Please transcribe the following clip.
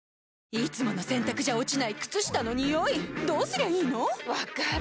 いつもの洗たくじゃ落ちない靴下のニオイどうすりゃいいの⁉分かる。